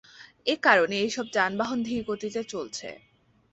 এ কারণে এসব যানবাহন ধীরগতিতে চলছে।